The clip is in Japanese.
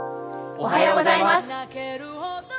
おはようございます。